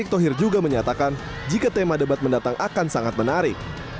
kubu yang datang akan sangat menarik